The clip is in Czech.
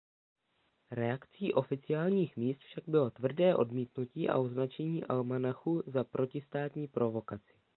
Reakcí oficiálních míst však bylo tvrdé odmítnutí a označení almanachu za protistátní provokaci.